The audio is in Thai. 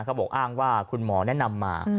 เขาบอกอ้างว่าคุณหมอแนะนำมา